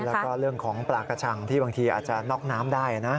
แล้วก็เรื่องของปลากระชังที่บางทีอาจจะน็อกน้ำได้นะ